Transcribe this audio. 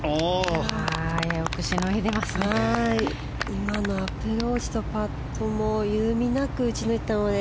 今のアプローチとパットも緩みなく打ちましたので